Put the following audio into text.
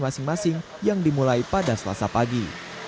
masing masing yang dimulai pada selasa pagi